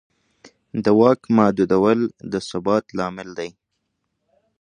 د واک محدودول د ثبات لامل دی